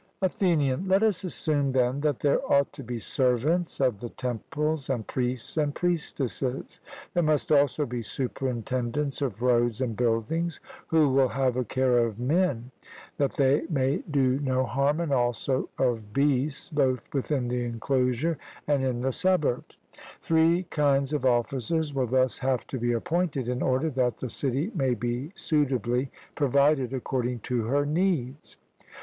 ATHENIAN: Let us assume, then, that there ought to be servants of the temples, and priests and priestesses. There must also be superintendents of roads and buildings, who will have a care of men, that they may do no harm, and also of beasts, both within the enclosure and in the suburbs. Three kinds of officers will thus have to be appointed, in order that the city may be suitably provided according to her needs.